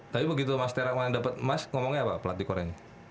tapi begitu mas terang malah dapet mas ngomongnya apa pelatih korea ini